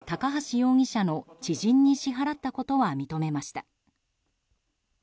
およそ７０００万円を高橋容疑者の知人に支払ったことは認めました。